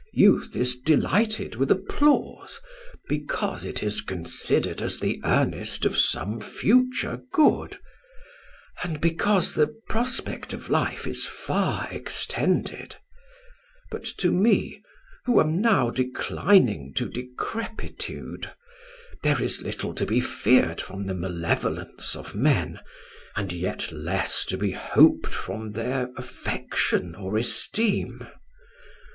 Youth is delighted with applause, because it is considered as the earnest of some future good, and because the prospect of life is far extended; but to me, who am now declining to decrepitude, there is little to be feared from the malevolence of men, and yet less to be hoped from their affection or esteem.